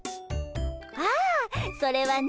ああそれはね